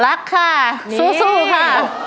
รักค่ะสู้ค่ะ